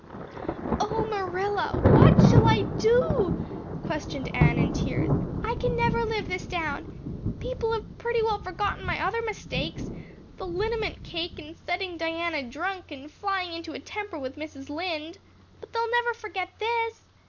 "Oh, Marilla, what shall I do?" questioned Anne in tears. "I can never live this down. People have pretty well forgotten my other mistakes the liniment cake and setting Diana drunk and flying into a temper with Mrs. Lynde. But they'll never forget this.